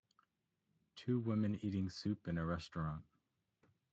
Two women eating soup in a restaurant.